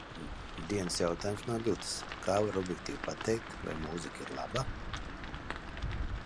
Dienas jautājums no Ļudas – kā var objektīvi pateikt, vai mūzika ir laba?